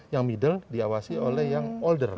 yang middle diawasi oleh yang older